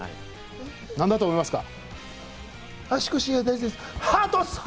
何だと思いますか？